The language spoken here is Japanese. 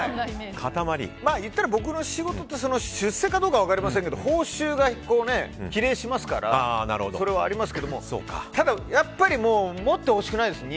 言ったら、僕の仕事って出世かどうかは分かりませんけど報酬が比例しますからそれはありますけどもただ、やっぱり持ってほしくないですね。